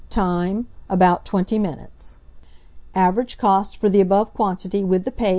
Time. About 20 minutes. Average cost, for the above quantity, with the paste, 1s.